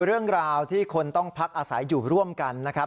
เรื่องราวที่คนต้องพักอาศัยอยู่ร่วมกันนะครับ